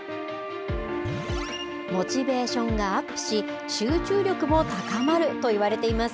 モチベーションがアップし、集中力も高まるといわれています。